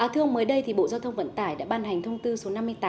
thưa ông mới đây bộ giao thông vận tải đã ban hành thông tư số năm mươi tám